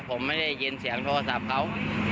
ผมไม่ได้ยินเสียงโทรศัพท์เขา